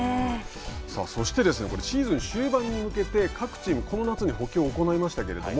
そしてシーズン終盤に向けて各チーム、この夏に補強を行いましたけれども。